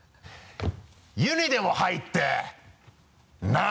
「湯にでも入ってなぁ？」